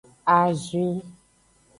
Azwi.